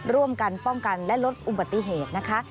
ร่วมกันป้องกันและลดอุบัติเหตุนะคะ